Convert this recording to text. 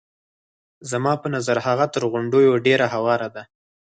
زما په نظر هغه تر غونډیو ډېره هواره ده.